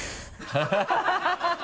ハハハ